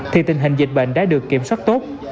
thì tình hình dịch bệnh đã được kiểm soát tốt